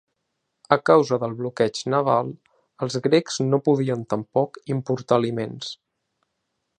A causa del bloqueig naval, els grecs no podien tampoc importar aliments.